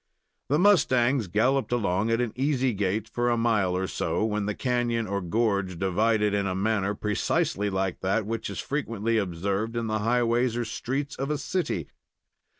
The mustangs galloped along at an easy gait, for a mile or so, when the canon, or gorge, divided in a manner precisely like that which is frequently observed in the highways or streets of a city.